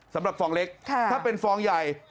สำหรับฟองเล็กถ้าเป็นฟองใหญ่